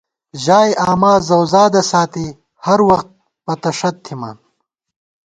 ژائےآمازؤزادہ ساتی، ہر وخت پتہ ݭت تھِمان